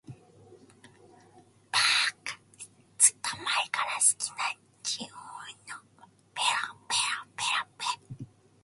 ばーか、ずーっと前から好きだっちゅーの。